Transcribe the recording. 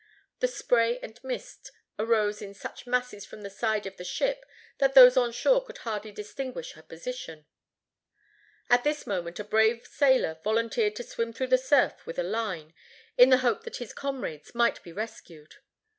The spray and mist arose in such masses from the sides of the ship, that those on shore could hardly distinguish her position. At this moment a brave sailor volunteered to swim through the surf with a line, in the hope that his comrades might be rescued.